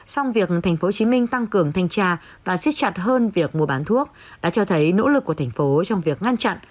song việc tp hcm tăng cường thanh tra và xích chặt hơn việc mua bán thuốc đã cho thấy nỗ lực của thành phố trong việc ngăn chặn